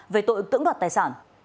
về tội tưởng đoạt tài sản